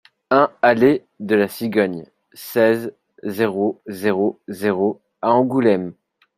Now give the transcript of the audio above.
un allée de la Cigogne, seize, zéro zéro zéro à Angoulême